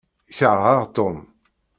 Keṛheɣ Tom.